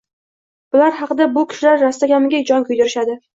— bular haqida bu kishilar rostakamiga jon kuydirishadi